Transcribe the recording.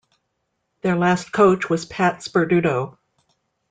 Their last coach was Pat Sperduto.